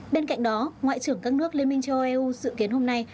bên cạnh đó ngoại trưởng các nước liên minh châu âu dự kiến hôm nay